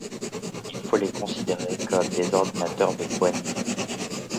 Il faut les considérer comme des ordinateurs de poignet.